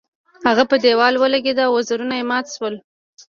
هغه په دیوال ولګیده او وزرونه یې مات شول.